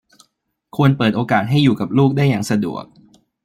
ควรเปิดโอกาสให้อยู่กับลูกได้อย่างสะดวก